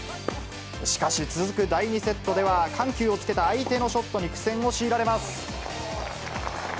しかし、続く第２セットでは、緩急をつけた相手のショットに苦戦を強いられます。